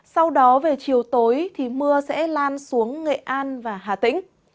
sau đó về chiều tối thì mưa sẽ lan xuống nghệ an và hà tĩnh